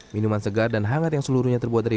minuman segar dan hangat yang seluruhnya terbuat dari